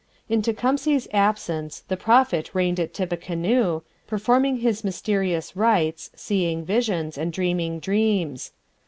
In Tecumseh's absence the Prophet reigned at Tippecanoe, performing his mysterious rites, seeing visions, and dreaming dreams.